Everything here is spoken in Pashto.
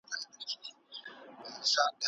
نه هیبت دی چي